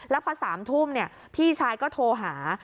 แล้วพอสามทุ่มเนี่ยพี่ชายก็โทรหา